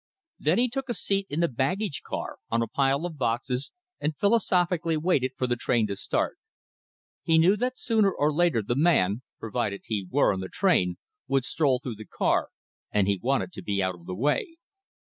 Then he took a seat in the baggage car on a pile of boxes and philosophically waited for the train to start. He knew that sooner or later the man, provided he were on the train, would stroll through the car, and he wanted to be out of the way.